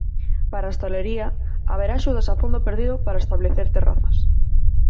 Para a hostalería haberá axudas a fondo perdido para establecer terrazas.